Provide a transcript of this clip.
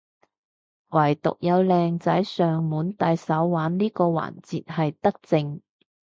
惟獨有靚仔上門戴手環呢個環節係德政